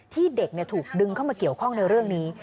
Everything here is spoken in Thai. ที่เด็กถูกดึงเข้ามาเกี่ยวข้องในเรื่องนี้